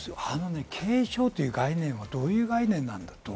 軽症という概念はどういう概念なんだと。